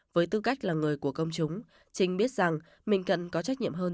với tư cách là người của công chúng trinh biết rằng mình cần có trách nhiệm hơn